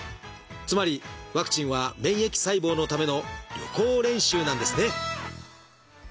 つまりワクチンは免疫細胞のための予行練習なんですね。